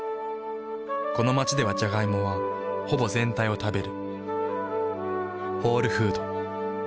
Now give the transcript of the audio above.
この街ではジャガイモはほぼ全体を食べる。